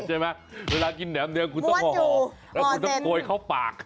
เวลากินแหนมเนืองคุณต้องห่อแล้วคุณต้องโกยเข้าปาก